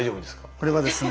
これはですね